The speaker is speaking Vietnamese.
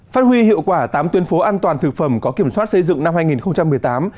phát huy hiệu quả tám tuyên phố an toàn thực phẩm có kiểm soát xây dựng năm hai nghìn một mươi tám